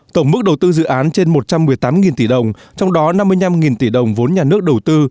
tổng mức đầu tư dự án trên một trăm một mươi tám tỷ đồng trong đó năm mươi năm tỷ đồng vốn nhà nước đầu tư